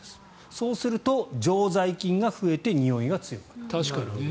そうすると常在菌が増えてにおいが強くなる。